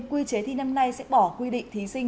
quy chế thi năm nay sẽ bỏ quy định thí sinh